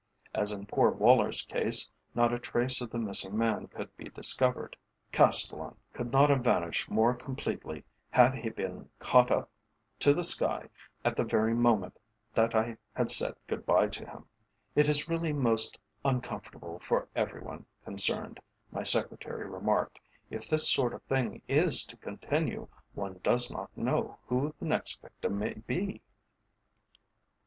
As in poor Woller's case, not a trace of the missing man could be discovered. Castellan could not have vanished more completely had he been caught up to the sky at the very moment that I had said "good bye" to him. "It is really most uncomfortable for every one concerned," my secretary remarked. "If this sort of thing is to continue, one does not know who the next victim may be."